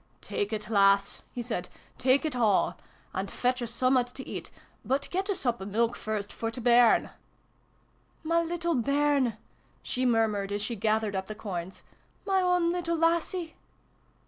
" Tak it, lass," he said, "tak it all! An' fetch us summat to eat : but get a sup o' milk, first, for t' bairn/' " My little bairn !" she murmured as she gathered up the coins. " My own little lassie